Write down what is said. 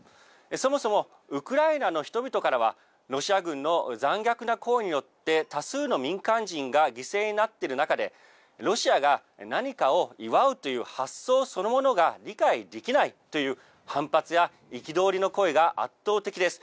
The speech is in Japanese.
そもそもウクライナの人々からはロシア軍の残虐な行為によって多数の民間人が犠牲になっている中でロシアが何かを祝うという発想そのものが理解できないという反発や憤りの声が圧倒的です。